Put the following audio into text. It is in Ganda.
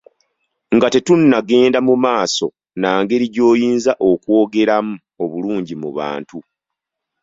Nga tetunnagenda mu maaso na ngeri gy’oyinza okwogeramu obulungi mu bantu.